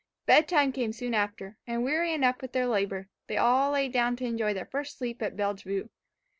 Bed time came soon after, and weary enough with their labour, they all laid down to enjoy their first sleep at Bellevue.